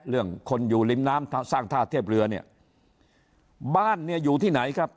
คนอยู่ริมน้ำสร้างท่าเทียบเรือเนี่ยบ้านเนี่ยอยู่ที่ไหนครับ